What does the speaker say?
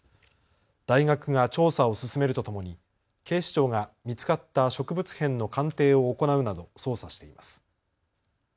大学が調査を進めるとともに警視庁が見つかった植物片の鑑定を行うなど捜査しています。